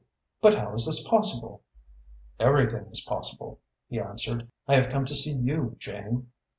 But how is this possible?" "Everything is possible," he answered. "I have come to see you, Jane."